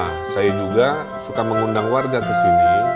nah saya juga suka mengundang warga kesini